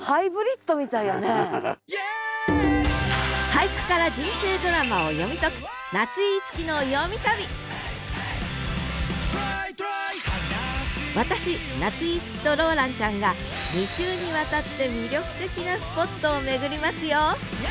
俳句から人生ドラマを読み解く私夏井いつきとローランちゃんが２週にわたって魅力的なスポットを巡りますよ！